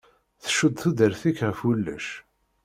Tcudd tudert-ik ɣef wulac.